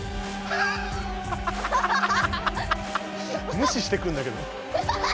むししてくんだけど。